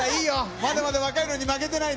まだまだ若いのに負けてないで。